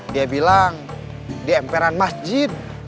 dia bilang di emperan masjid